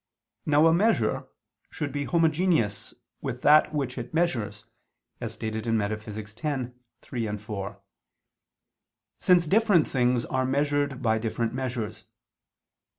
Now a measure should be homogeneous with that which it measures, as stated in Metaph. x, text. 3, 4, since different things are measured by different measures.